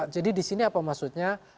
jadi di sini apa maksudnya